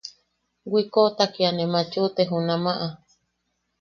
Wikoʼota kia ne machuʼute junama.